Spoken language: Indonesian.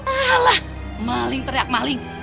alah maling teriak maling